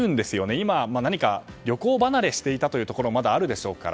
今は旅行離れしていたところもまだあるでしょうから。